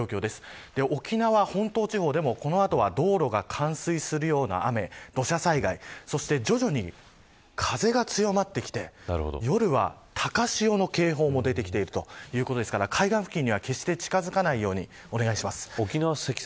沖縄本島地方でもこの後は道路が冠水するような雨土砂災害、そして徐々に風が強まってきて夜は高潮の警報も出てきているということですから海岸付近には、決して沖縄は積算